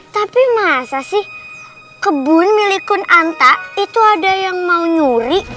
tapi masa sih kebun milik kun anta itu ada yang mau nyuri